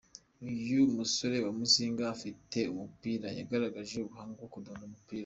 Uyu musore wa Muzinga ufite umupira yagaragaje ubuhanga mu kudunda umupira.